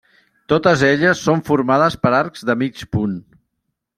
Totes elles són formades per arcs de mig punt.